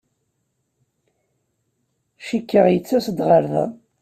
Cikkeɣ yettas-d ɣer da.